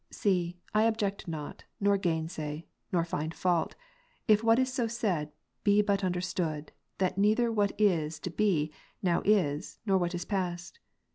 See, I object not, nor gainsay, nor find fault, if what is so said be but understood, that neither what is to be, now is, nor what is past.